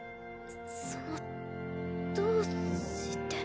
そのどうして。